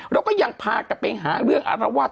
แล้วก็ยังพากระเป๋งหาเรื่องอรวัต